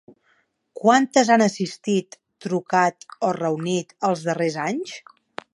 Quantes han assistit, trucat o reunit els darrers anys?